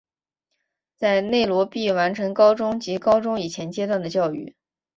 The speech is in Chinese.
在内罗毕完成高中及高中以前阶段的教育。